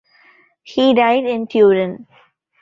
He died in Turin.